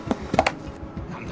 何だ？